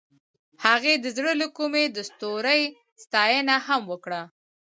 هغې د زړه له کومې د ستوري ستاینه هم وکړه.